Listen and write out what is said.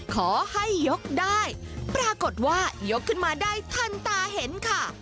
ขอให้ยกได้ปรากฏว่ายกขึ้นมาได้ทันตาเห็นค่ะ